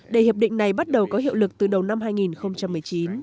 để hiệp định này bắt đầu có hiệu lực từ đầu năm hai nghìn một mươi chín